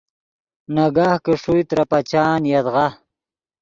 ناگاہ کہ ݰوئے ترے پچان یدغا